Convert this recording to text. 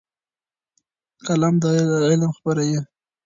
قلم علم خپروي.